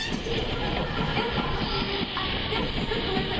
えっ？あっごめんなさい。